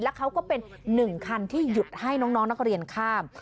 เขาก็เป็นหนึ่งคันที่หยุดให้น้องนักเรียนข้าม